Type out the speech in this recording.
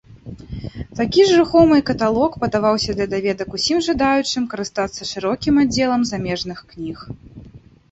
Такі ж рухомай каталог падаваўся для даведак усім жадаючым карыстацца шырокім аддзелам замежных кніг.